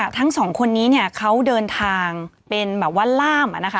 ทั้งสองคนนี้เขาเดินทางเป็นแบบว่าล่าม